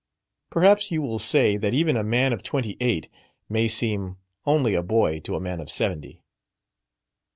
Perhaps you will say that even a man of twenty eight may seem only a boy to a man of seventy.